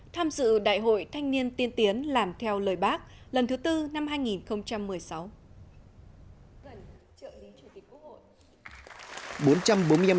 tham dự đại hội thanh niên tiên tiến làm theo lời bác lần thứ tư năm hai nghìn một mươi sáu